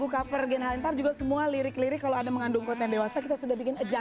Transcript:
keren nanti kita akan bahas itu semua ya